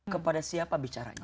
kepada siapa bicaranya